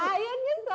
kakak ayamnya suka